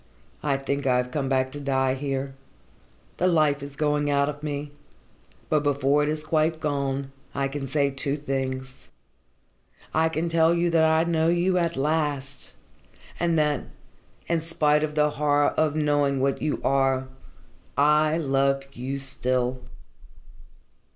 I think I have come back to die here. The life is going out of me, but before it is quite gone I can say two things. I can tell you that I know you at last, and that, in spite of the horror of knowing what you are, I love you still."